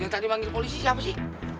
yang tadi banggil polisi siapa sih